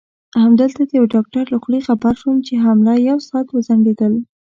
همدلته د یوه ډاکټر له خولې خبر شوم چې حمله یو ساعت وځنډېدل.